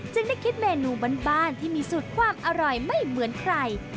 ได้คิดเมนูบ้านที่มีสูตรความอร่อยไม่เหมือนใคร